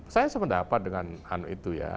saya sependapat dengan itu ya